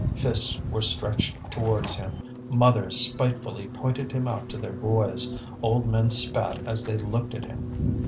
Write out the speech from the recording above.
Fists were stretched towards him, mothers spitefully pointed him out to their boys, old men spat as they looked at him.